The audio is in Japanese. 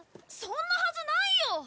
そんなはずないよ！